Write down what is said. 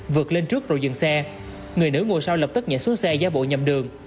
vượt lên trước rồi dừng xe người nữ ngồi sau lập tức nhảy xuống xe ra bộ nhầm đường